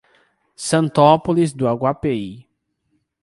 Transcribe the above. Santópolis do Aguapeí